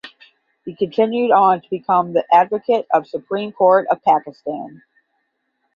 He continued on to become the advocate of Supreme Court of Pakistan.